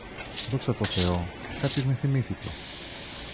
Δόξα τω θεώ, κάποιος με θυμήθηκε